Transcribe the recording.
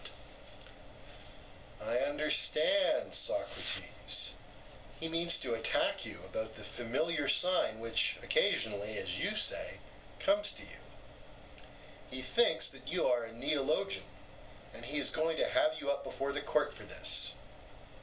EUTHYPHRO: I understand, Socrates; he means to attack you about the familiar sign which occasionally, as you say, comes to you. He thinks that you are a neologian, and he is going to have you up before the court for this.